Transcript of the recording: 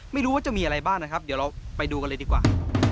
ไม่รู้ว่าจะมีอะไรบ้างนะครับเดี๋ยวเราไปดูกันเลยดีกว่า